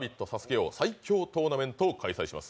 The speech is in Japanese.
王最強トーナメントを開催します。